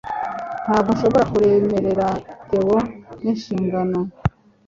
Ntabwo nshobora kuremerera Theo n'inshingano